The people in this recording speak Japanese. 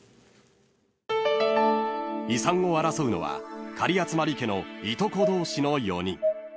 ［遺産を争うのは狩集家のいとこ同士の４人］